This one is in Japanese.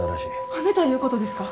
はねたいうことですか？